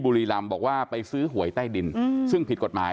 บุรีรำบอกว่าไปซื้อหวยใต้ดินซึ่งผิดกฎหมาย